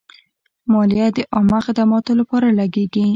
مالیه د عامه خدماتو لپاره لګیږي.